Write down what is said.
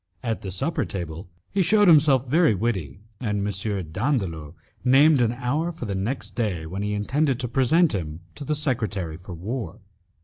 At the supper table he shewed himself very witty, and M. Dandolo named an hour for the next day, when he intended to present him to the secretary for war.